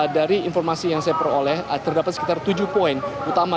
dari informasi yang saya peroleh terdapat sekitar tujuh poin utama